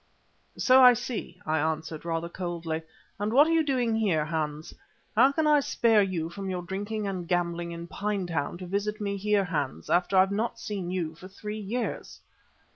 "So I see," I answered, rather coldly. "And what are you doing here, Hans? How can you spare time from your drinking and gambling at Pinetown to visit me here, Hans, after I have not seen you for three years?"